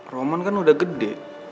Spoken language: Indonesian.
roman kan udah gede